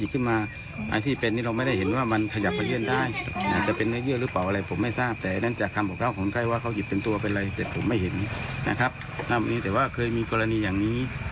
ก็ได้รับการพิสูจน์ไปแล้วว่าไม่ใช่